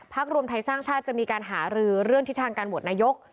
รวมไทยสร้างชาติจะมีการหารือเรื่องทิศทางการโหวตนายก